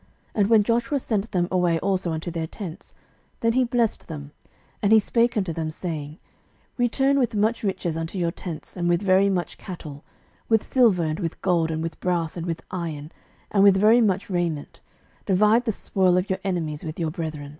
And when Joshua sent them away also unto their tents, then he blessed them, 06:022:008 And he spake unto them, saying, Return with much riches unto your tents, and with very much cattle, with silver, and with gold, and with brass, and with iron, and with very much raiment: divide the spoil of your enemies with your brethren.